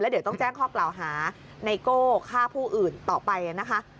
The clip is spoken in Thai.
เดี๋ยวต้องแจ้งข้อกล่าวหาไนโก้ฆ่าผู้อื่นต่อไปนะคะ